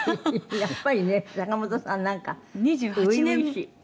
やっぱりね坂本さんなんか初々しい。